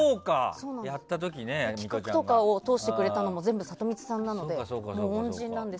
企画とかを通してくれたのも全部、サトミツさんなので恩人なんです。